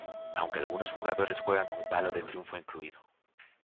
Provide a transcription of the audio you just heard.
Aunque algunos jugadores juegan con palo de triunfo incluido.